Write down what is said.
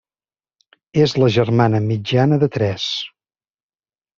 És la germana mitjana de tres.